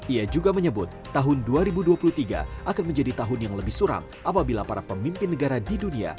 ia juga menyebut tahun dua ribu dua puluh tiga akan menjadi tahun yang lebih suram apabila para pemimpin negara di dunia